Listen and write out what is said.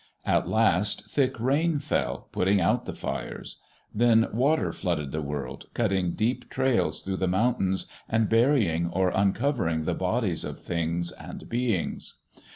At last thick rain fell, putting out the fires. Then water flooded the world, cutting deep trails through the mountains, and burying or uncovering the bodies of things and beings.